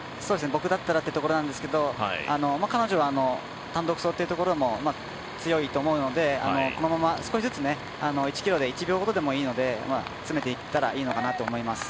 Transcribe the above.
僕だったらっていうところなんですけど彼女は単独走というところも強いと思うので、このまま少しずつ１ｋｍで１秒ほどでもいいので詰めていったらいいのかなと思います。